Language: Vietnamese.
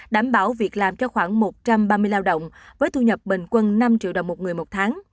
đảm bảo việc làm cho khoảng một trăm ba mươi lao động với thu nhập bình quân năm triệu đồng một người một tháng